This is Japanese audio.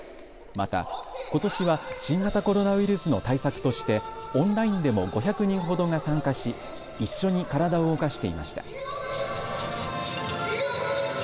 また、ことしは新型コロナウイルスの対策としてオンラインでも５００人ほどが参加し一緒に体を動かしていました。